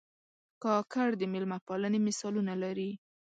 کاکړ د مېلمه پالنې مثالونه لري.